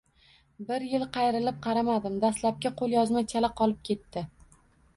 Bir yil qayrilib qaramadim, dastlabki qo‘lyozma chala qolib ketdi